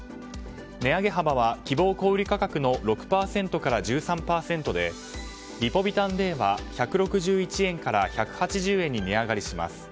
値上げ幅は希望小売価格の６％から１３％でリポビタンＤは１６１円から１８０円に値上がりします。